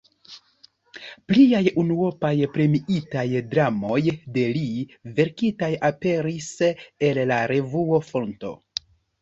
Pliaj unuopaj premiitaj dramoj de li verkitaj aperis en la revuo "Fonto".